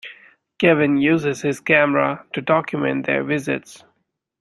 Kevin uses his camera to document their visits.